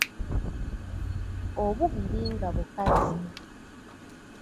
Obubiri nga bukazi.